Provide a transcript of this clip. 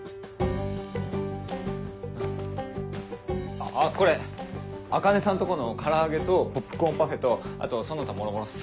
あっこれ茜さんとこの唐揚げとポップコーンパフェとあとその他もろもろっす。